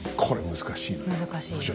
難しい。